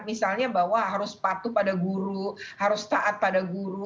misalnya bahwa harus patuh pada guru harus taat pada guru